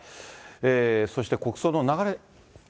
そして、国葬の流れ。